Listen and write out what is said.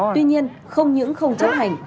tuy nhiên không những không chấp hành